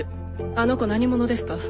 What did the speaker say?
あの子何者ですか？